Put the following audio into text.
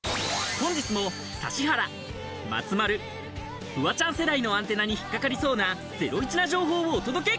本日も指原、松丸、フワちゃん世代のアンテナに引っ掛かりそうなゼロイチな情報をお届け！